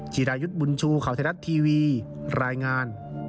โปรดติดตามตอนต่อไป